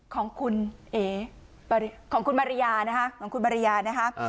ของคุณเอ๋ของคุณมาริยานะคะของคุณมาริยานะคะ